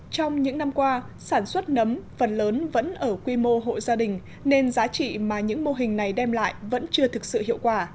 trong những năm qua sản xuất nấm phần lớn vẫn ở quy mô hộ gia đình nên giá trị mà những mô hình này đem lại vẫn chưa thực sự hiệu quả